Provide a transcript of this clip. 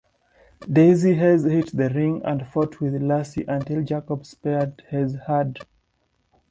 Daizee Haze hit the ring and fought with Lacey until Jacobs speared Haze hard.